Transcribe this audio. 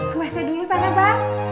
kebiasa dulu sana bang